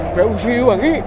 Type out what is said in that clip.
prajurit si wangi